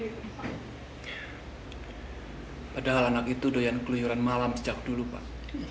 padahal anak itu doyan keluyuran malam sejak dulu pak